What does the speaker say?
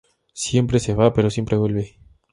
Siempre se va, pero siempre vuelve.